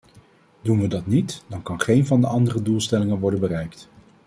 Doen we dat niet, dan kan geen van de andere doelstellingen worden bereikt.